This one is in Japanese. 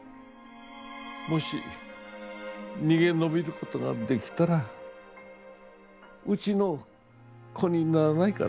「もし逃げ延びることができたらうちの子にならないか」